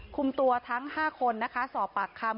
คุมตัวทั้ง๕คนนะคะสอบปากคำ